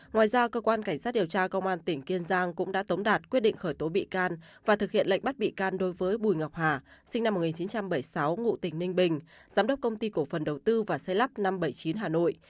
ngoài ra cơ quan cảnh sát điều tra công an tỉnh kiên giang cũng đã tống đạt quyết định khởi tố bị can và thực hiện lệnh bắt bị can đối với bùi ngọc hà sinh năm một nghìn chín trăm bảy mươi sáu ngụ tỉnh ninh bình giám đốc công ty cổ phần đầu tư và xây lắp năm trăm bảy mươi chín hà nội